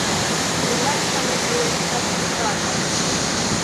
Tiu lasta ne plu estas uzata.